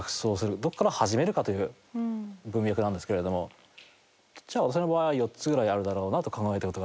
どこから始めるかという文脈なんですけれども私の場合４つぐらいあるだろうなと考えたことがありまして。